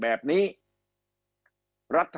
รัฐบาลจะบริหารประเทศจะใช้เงินอย่างเจียมเนื้อเจียมตัวกันหรือเปล่า